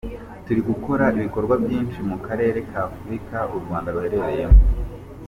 Turi gukora ibikorwa byinshi mu karere ka Afurika u Rwanda ruherereyemo.